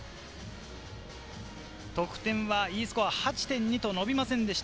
得点はＥスコア８．２と伸びませんでした。